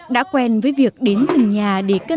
đã quen với việc đến từng nhà để cất bài bản